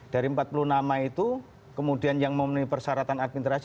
dari empat puluh nama itu kemudian yang memenuhi persyaratan administrasi